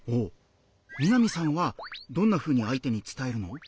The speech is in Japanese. みなみさんはどんなふうに相手に伝えるの？